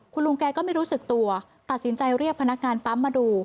คุณลุงแกก็ไม่รู้สึกตัวตัดสินใจเรียกพนักงานปั๊มมาดู